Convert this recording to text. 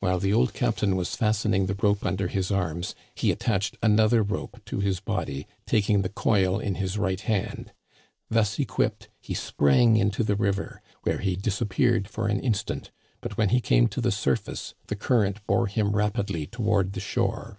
While the old captain was fastening the rope under his arms, he attached another rope to his body, taking the coil in his right hand. Thus equipped, he sprang into the river, where he disappeared for an instant, but when he came to the surface the current bore him rapid ly toward the shore.